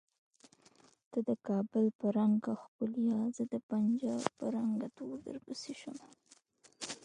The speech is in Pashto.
ته د کابل په رنګه ښکولیه زه د پنجاب په رنګ تور درپسې شومه